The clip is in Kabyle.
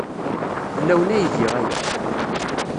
Fell-awen ay giɣ aya.